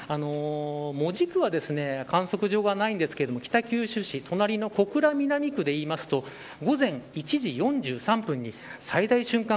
門司区は観測所がないんですが北九州市の隣の小倉南区で言いますと午前１時４３分に最大瞬間